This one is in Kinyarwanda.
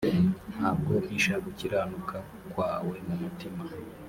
ntabwo mpisha gukiranuka kwawe mu mutima